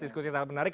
diskusi sangat menarik